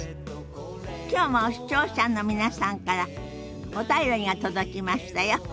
きょうも視聴者の皆さんからお便りが届きましたよ。